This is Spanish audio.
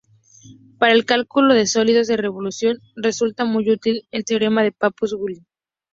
Para el cálculo de sólidos de revolución resulta muy útil el teorema de Pappus-Guldin.